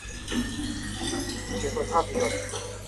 ผู้เขียนบทภาพยนตร์